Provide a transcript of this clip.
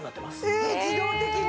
ええっ自動的に？